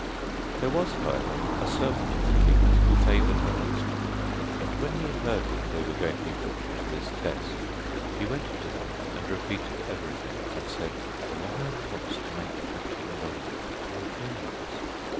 There was, however, a servant of the king's who favoured the huntsmen, and when he heard that they were going to be put to this test he went to them and repeated everything, and said: 'The lion wants to make the king believe that you are girls.